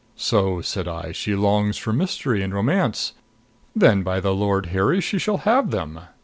So, said I, she longs for mystery and romance. Then, by the Lord Harry, she shall have them!